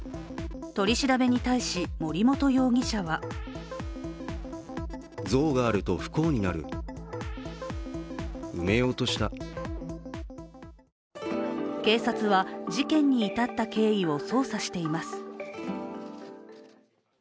取り調べに対し、森本容疑者は警察は事件に至った経緯を捜査しています。